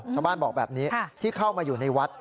ชาวบ้านบอกแบบนี้ที่เข้ามาอยู่ในวัด